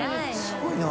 すごいな。